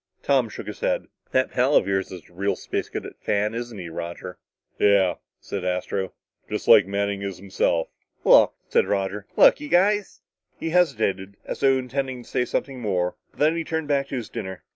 Tom shook his head. "That pal of yours is a real Space Cadet fan, isn't he, Roger?" "Yeah," said Astro. "Just like Manning is himself." "Look," said Roger. "Look, you guys " He hesitated, as though intending to say something more, but then he turned back to his dinner.